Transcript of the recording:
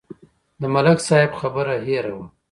د ملک صاحب خبره هېره وه.